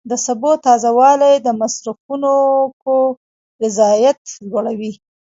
د سبو تازه والی د مصرفونکو رضایت لوړوي.